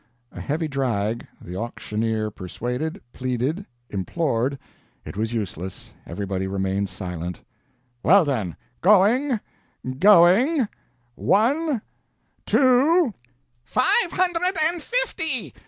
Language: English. A heavy drag the auctioneer persuaded, pleaded, implored it was useless, everybody remained silent "Well, then going, going one two " "Five hundred and fifty!"